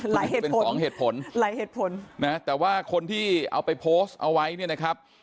เหตุผลสองเหตุผลหลายเหตุผลนะแต่ว่าคนที่เอาไปโพสต์เอาไว้เนี่ยนะครับ